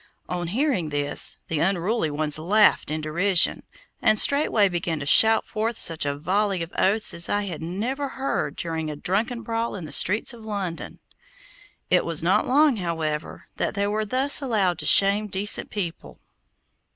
On hearing this, the unruly ones laughed in derision and straightway began to shout forth such a volley of oaths as I had never heard during a drunken brawl in the streets of London. It was not long, however, that they were thus allowed to shame decent people.